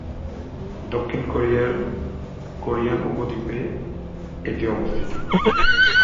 দক্ষিণ কোরিয়ার কোরিয়ান উপদ্বীপে এটি অবস্থিত।